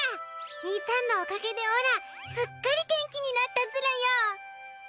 兄ちゃんのおかげでオラすっかり元気になったズラよ！